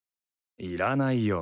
いらないよ。